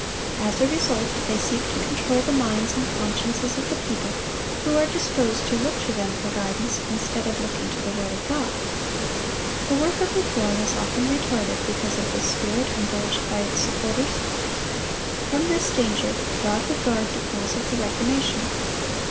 As a result, they seek to control the minds and consciences of the people, who are disposed to look to them for guidance instead of looking to the word of God. The work of reform is often retarded because of this spirit indulged by its supporters. From this danger, God would guard the cause of the Reformation.